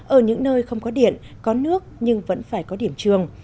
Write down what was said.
ở những nơi không có điện có nước nhưng vẫn phải có điểm trường